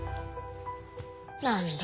何だ